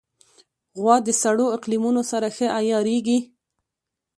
غوا د سړو اقلیمونو سره ښه عیارېږي.